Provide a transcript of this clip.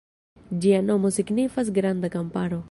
Ĝia nomo signifas "Granda Kamparo".